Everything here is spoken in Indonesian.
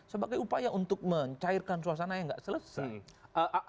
sebagai upaya untuk mencairkan suasana yang nggak selesai